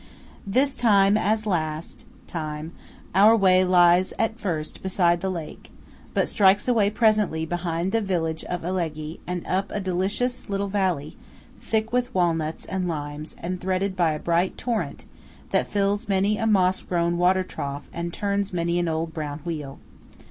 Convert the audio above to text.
This time, as last time, our way lies at first beside the lake; but strikes away presently behind the village of Alleghe and up a delicious little valley, thick with walnuts and limes, and threaded by a bright torrent that fills many a moss grown water trough and turns many an old brown wheel.